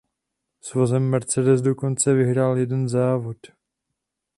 S vozem Mercedes dokonce vyhrál jeden závod.